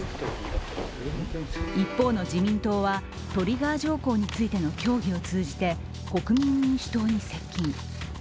一方の自民党はトリガー条項についての協議を通じて国民民主党に接近。